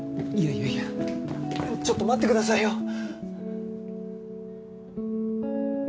いやいやいやちょっと待ってくださいよ！